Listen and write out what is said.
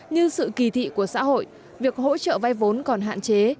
như sự kỳ thị của xã hội việc hỗ trợ vay vốn còn hạn chế